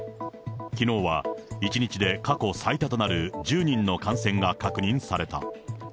きのうは１日で過去最多となる１０人の感染が確認された。